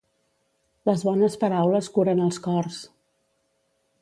Les bones paraules curen els cors.